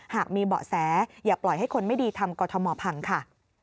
หากมีเบาะแสอย่าปล่อยให้คนไม่ดีทำกรทมพังค่ะ